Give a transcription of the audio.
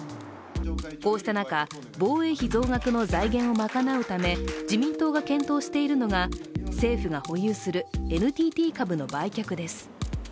こうした中、防衛費増額の財源を賄うため自民党が検討しているのが政府が保有するＮＴＴ株の売却です。